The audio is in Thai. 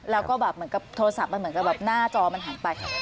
แล้วก็แบบเหมือนกับโทรศัพท์มันเหมือนกับแบบหน้าจอมันหันไป